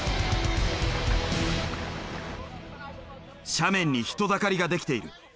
斜面に人だかりが出来ている。